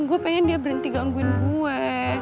gue pengen dia berhenti gangguin gue